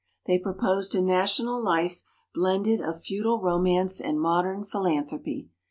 They proposed a national life blended of feudal romance and modern philanthropy.